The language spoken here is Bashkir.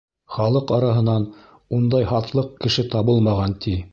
Халыҡ араһынан ундай һатлыҡ кеше табылмаған, ти.